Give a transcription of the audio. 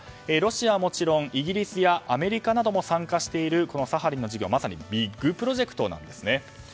ロシアはもちろん、イギリスやアメリカなども参加しているサハリンの事業、まさにビッグプロジェクトなんです。